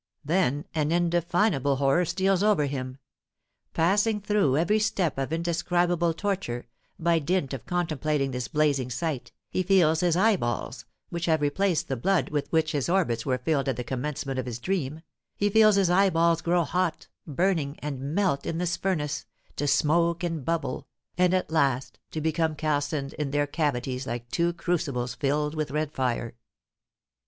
Then an indefinable horror steals over him. Passing through every step of indescribable torture, by dint of contemplating this blazing sight, he feels his eyeballs which have replaced the blood with which his orbits were filled at the commencement of his dream he feels his eyeballs grow hot, burning, and melt in this furnace to smoke and bubble and at last to become calcined in their cavities like two crucibles filled with red fire.